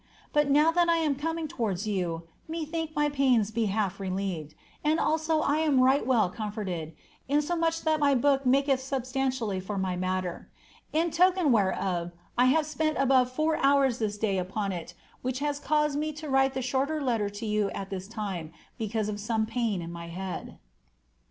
But now that I am coming towards you, me thinketh my pains be half relieved, and also I am right well oomforted, insomuch that my book maketh substantially for my matter. In token whereof I have spent above four hours this day upon it. which has caused me to write the shorter letter to yovL at this time, because of some pain in my head."